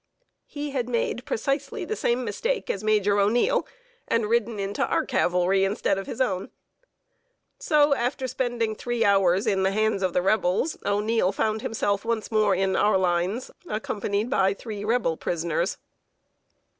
He had made precisely the same mistake as Major O'Neil, and ridden into our cavalry instead of his own. So, after spending three hours in the hands of the Rebels, O'Neil found himself once more in our lines, accompanied by three Rebel prisoners.